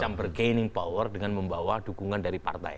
yang bergaining power dengan membawa dukungan dari partai